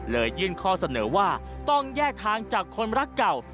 ยื่นข้อเสนอว่าต้องแยกทางจากคนรักเก่า